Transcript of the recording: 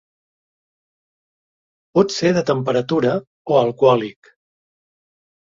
Pot ser de temperatura o alcohòlic.